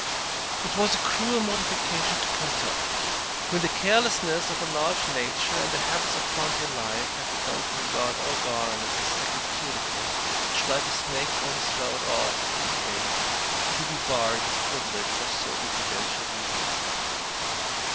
It was a cruel mortification to Kentuck who, in the carelessness of a large nature and the habits of frontier life, had begun to regard all garments as a second cuticle, which, like a snake's, only sloughed off through decay to be debarred this privilege from certain prudential reasons.